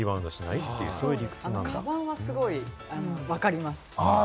かばんはすごい分かります。